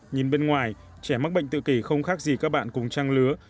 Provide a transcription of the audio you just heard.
nhìn bên ngoài trẻ mắc bệnh tự kỳ không khác gì các bạn cùng trăng lứa